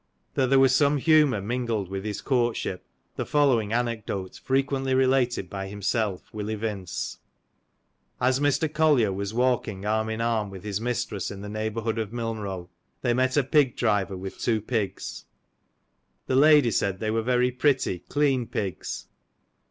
That there was some humour mingled with his courtship, the fol lowing anecdote frequently related by himself will evince. As Mr. Collier was walking arm in arm with his mistress in the neighbourhood of Milnrow, they met a pig driver with two pigs. The lady said they were very pretty clean pigs.